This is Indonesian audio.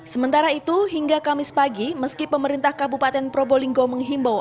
sementara itu hingga kamis pagi meski pemerintah kabupaten probolinggo menghimbau